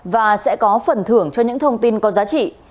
và sẽ có phần thưởng cho những thông tin có giá trị